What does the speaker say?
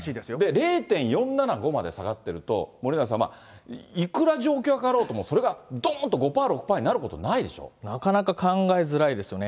０．４７５まで下がってると、森永さん、いくら状況が変わろうとも、それがどーんと５パー、なかなか、考えづらいですよね、